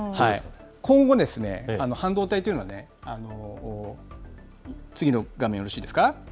今後、半導体というのはね、次の画面よろしいですか。